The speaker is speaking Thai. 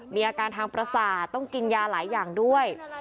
มีอาการทางประสาทต้องกินยาหลายอย่างด้วย